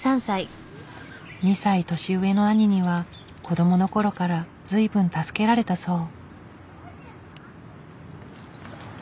２歳年上の兄には子供の頃から随分助けられたそう。